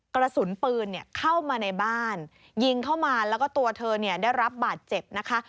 กระสุนปืนเข้ามาในบ้านยิงเข้ามาแล้วก็ตัวเธอได้รับบาดเจ็บนะคะ